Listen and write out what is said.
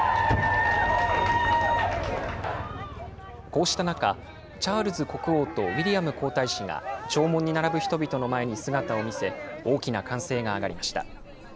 こうした中、チャールズ国王とウィリアム皇太子が、弔問に並ぶ人々の前に姿を見せ、大きな歓声が上がりました。